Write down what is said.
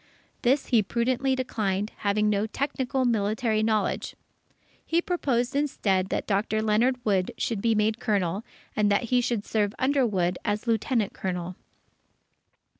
This he prudently declined, having no technical military knowledge. He proposed instead that Dr. Leonard Wood should be made Colonel, and that he should serve under Wood, as Lieutenant Colonel.